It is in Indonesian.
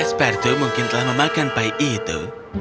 pespartu mungkin telah memakan kue pai itu